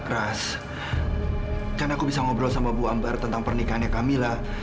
keras kan aku bisa ngobrol sama bu ambar tentang pernikahannya kamila